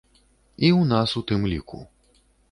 І ў нас у тым ліку.